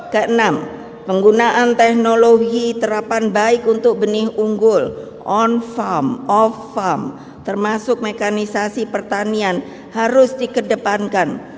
keenam penggunaan teknologi terapan baik untuk benih unggul on farm off farm termasuk mekanisasi pertanian harus dikedepankan